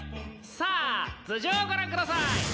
さあ頭上をご覧ください。